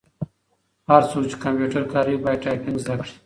هر څوک چي کمپیوټر کاروي باید ټایپنګ زده کړي.